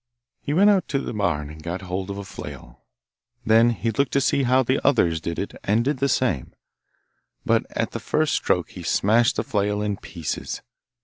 He went out to the barn and got hold of a flail. Then he looked to see how the others did it and did the same, but at hte first stroke he smashed the flail in pieces.